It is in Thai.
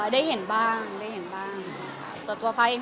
ได้เห็นบ้าง